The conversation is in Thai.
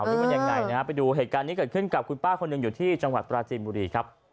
นะฮะก็คิดว่ามันยังไงนะฮะไปดูเหตุการณ์นี้เกิดขึ้นกับคุณป้าคนเดี๋ยวอยู่ที่จังหวัดปราชีนบุรีครับ